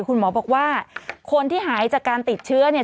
คุณหมอบอกว่าคนที่หายจากการติดเชื้อเนี่ย